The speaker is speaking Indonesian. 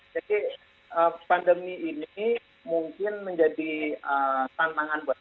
jadi pandemi ini mungkin menjadi tantangan buat kita